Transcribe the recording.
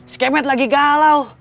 skemet lagi galau